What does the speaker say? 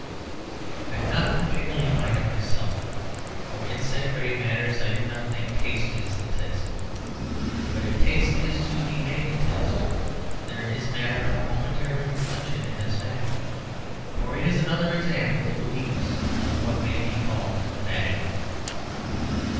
I do not particularly mind it myself; for in such great matters I do not think taste is the test. But if taste is to be made the test, there is matter for momentary reflection in this fact; for it is another example of the weakness of what may be called fashion.